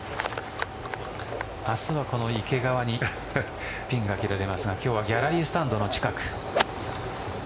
明日は、この池側にピンが切られますが今日はギャラリースタンドの近く。